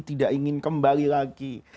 tidak ingin kembali lagi